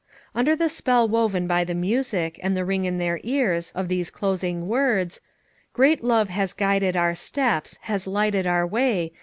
Under the spell woven by the music and the ring in their ears of those closing words: "Great Love has guided our steps, has lighted our way,—